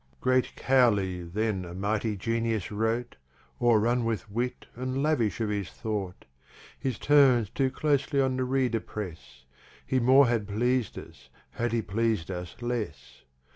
Great Cowley then (a mighty Genius) wrote; O'er run with Wit, and lavish of his Thought: His Turns too closely on the Reader press; He more had pleas'd us, had he pleas'd us less.